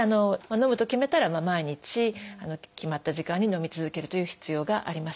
のむと決めたら毎日決まった時間にのみ続けるという必要があります。